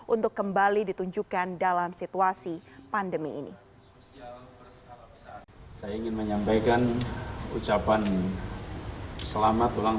untuk kembali ditunjukkan dalam situasi pandemi ini saya ingin menyampaikan ucapan selamat ulang